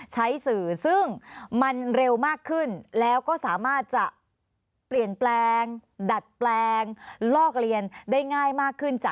ใช้สื่อซึ่งมันเร็วมากขึ้นแล้วก็สามารถจะ